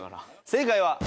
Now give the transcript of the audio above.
正解は。